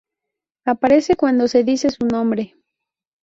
Aparece cuando se dice su nombre.